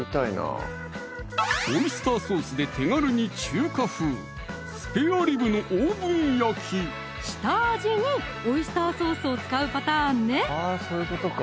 オイスターソースで手軽に中華風下味にオイスターソースを使うパターンね！